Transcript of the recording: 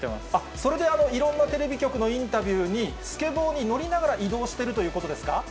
それでいろんなテレビ局のインタビューに、スケボーに乗りながら移動してるということですか？